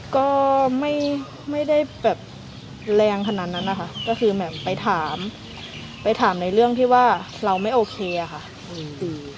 ก็ไม่ได้แบบแรงขนาดนั้นนะคะก็คือแบบไปถามไปถามในเรื่องที่ว่าเราไม่โอเคอะค่ะ